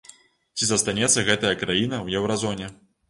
Ці застанецца гэтая краіна ў еўразоне?